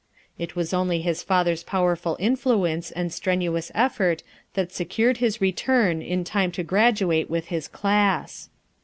It was only his father's powerful influence and strenuous effort that se cured his return in time to graduate with his class.